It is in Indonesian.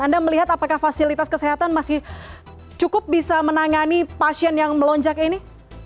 anda melihat apakah fasilitas kesehatan masih cukup bisa menangani pasien yang melonjak ini